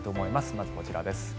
まずこちらです。